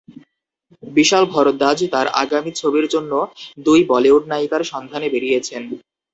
বিশাল ভরদ্বাজ তাঁর আগামী ছবির জন্য দুই বলিউড নায়িকার সন্ধানে বেরিয়েছেন।